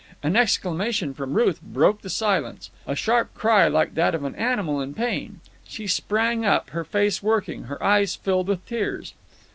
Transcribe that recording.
An exclamation from Ruth broke the silence, a sharp cry like that of an animal in pain. She sprang up, her face working, her eyes filled with tears.